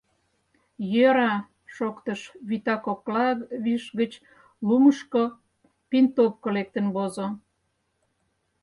— Йӧра, — шоктыш, вӱта кокла виш гыч лумышко пинтопко лектын возо.